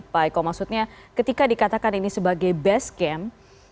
pak eko maksudnya ketika dikatakan ini sebagai base camp